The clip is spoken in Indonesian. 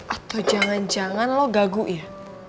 atau jangan jangan lo gagui ya